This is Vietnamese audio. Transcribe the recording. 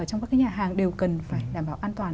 trong các cái nhà hàng đều cần phải đảm bảo an toàn